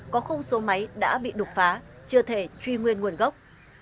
có không số máy đã bị đục phá chưa thể truy nguyên nguồn gốc